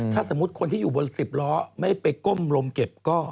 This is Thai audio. ถ้าสมมุติคนที่อยู่บน๑๐ล้อไม่ไปก้มลมเก็บก็